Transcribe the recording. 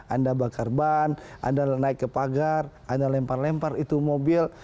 anda bakar ban anda naik ke pagar anda lempar lempar itu mobil